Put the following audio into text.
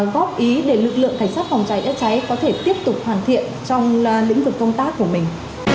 góp ý để lực lượng cảnh sát phòng cháy chữa cháy có thể tiếp tục hoàn thiện trong lĩnh vực công tác của mình